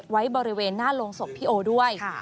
ไว้บริเวณหน้าโรงศพพี่โอด้วย